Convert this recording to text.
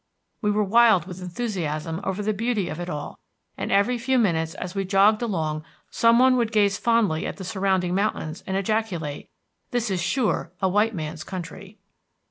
We were wild with enthusiasm over the beauty of it all, and every few minutes as we jogged along some one would gaze fondly at the surrounding mountains and ejaculate: 'This is sure a white man's country.'"